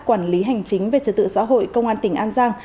quản lý hành chính về trật tự xã hội công an tỉnh an giang